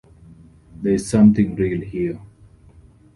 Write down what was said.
There's something real here.